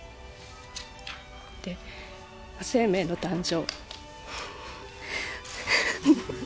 生命の誕生。